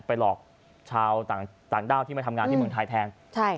หลอกชาวต่างด้าวที่มาทำงานที่เมืองไทยแทน